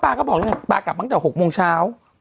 ปาก็บอกเลยเนี่ยปากกลับตั้งแต่๖โมงเช้า